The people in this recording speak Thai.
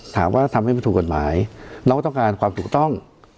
ถามว่าทำให้มันถูกกฎหมายเราก็ต้องการความถูกต้อง